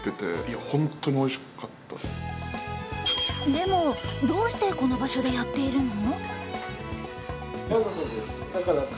でも、どうしてこの場所でやっているの？